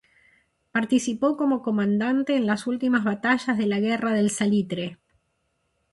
Participó como comandante en las últimas batallas de la Guerra del Salitre.